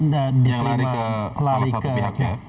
yang lari ke salah satu pihaknya